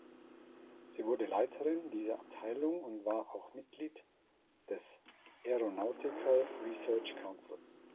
Sie wurde Leiterin dieser Abteilung und war auch Mitglied des Aeronautical Research Council.